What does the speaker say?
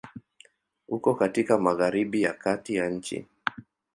Uko katika Magharibi ya kati ya nchi.